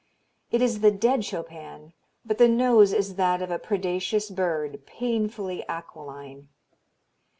It is the dead Chopin, but the nose is that of a predaceous bird, painfully aquiline.